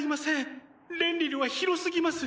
レンリルは広すぎます。